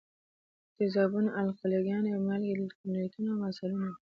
تیزابونه، القلي ګانې او مالګې د الکترولیتونو مثالونه دي.